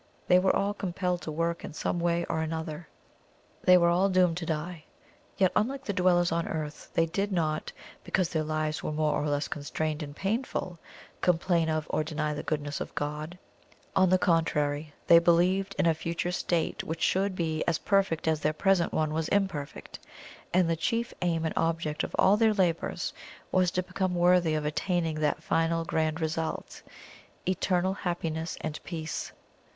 They were all compelled to work in some way or another; they were all doomed to die. Yet, unlike the dwellers on Earth, they did not, because their lives were more or less constrained and painful, complain of or deny the goodness of God on the contrary, they believed in a future state which should be as perfect as their present one was imperfect; and the chief aim and object of all their labours was to become worthy of attaining that final grand result Eternal Happiness and Peace.